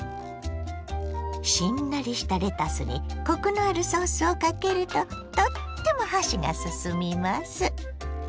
しんなりしたレタスにコクのあるソースをかけるととっても箸がすすみます。